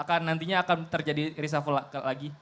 akan nantinya akan terjadi reshuffle lagi